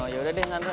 yaudah deh tante